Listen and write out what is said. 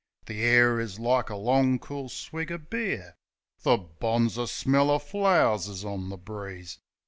The air is like a long, cool swig o' beer. The bonzer smell o' flow'rs is on the breeze.